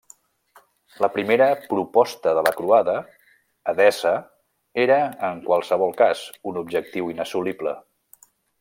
La primera proposta de la croada, Edessa, era en qualsevol cas un objectiu inassolible.